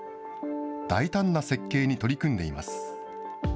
大胆な設計に取り組んでいます。